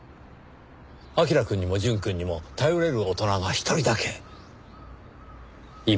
彬くんにも淳くんにも頼れる大人が一人だけいました。